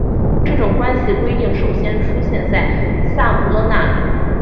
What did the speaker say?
这种关系规定首先出现在塞姆勒那里。